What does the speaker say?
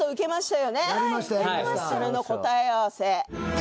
それの答え合わせ。